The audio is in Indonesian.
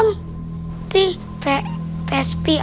aku mau masuk